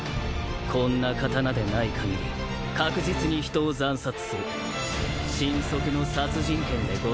こんな刀でないかぎり確実に人を斬殺する神速の殺人剣でござるよ。